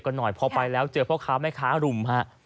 หน่อยพอไปแล้วเจอพ่อค้าแม่ค้ารุมฮะ